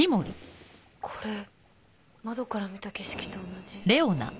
これ窓から見た景色と同じ。